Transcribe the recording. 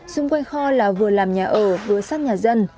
xung quanh kho là vừa làm nhà ở vừa sát nhà dân